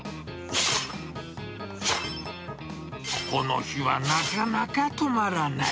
この日はなかなか止まらない。